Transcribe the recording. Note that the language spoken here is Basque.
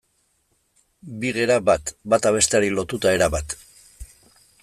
Bi gera bat, bata besteari lotuta erabat.